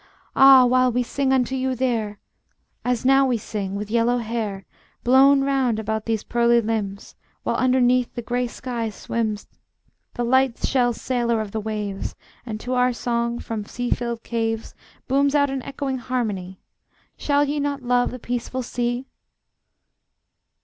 Ah! while we sing unto you there, As now we sing, with yellow hair Blown round about these pearly limbs, While underneath the gray sky swims The light shell sailor of the waves, And to our song, from sea filled caves Booms out an echoing harmony, Shall ye not love the peaceful sea?